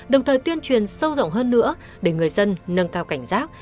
đồng thời tuyên truyền sâu rộng hơn nữa để người dân nâng cao cảnh giác